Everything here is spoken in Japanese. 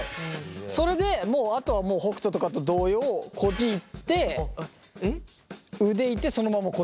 それでもうあとはもう北斗とかと同様こっちいって腕いってそのままこっちっすね。